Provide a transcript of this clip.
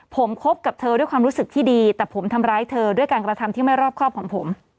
ผมคบกับเธอด้วยความรู้สึกที่ดีแต่ผมทำร้ายเธอด้วยการกระทำที่ไม่รอบครอบของผม